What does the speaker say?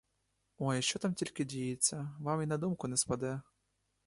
Ой, що там тільки діється — вам і на думку не спаде.